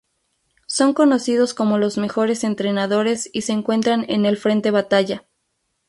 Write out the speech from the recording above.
Son conocidos como los mejores entrenadores y se encuentran en el Frente Batalla.